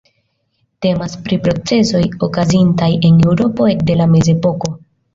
Temas pri procezoj okazintaj en Eŭropo ekde la mezepoko.